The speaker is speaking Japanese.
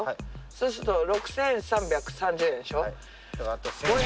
そうすると６，３３０円でしょ。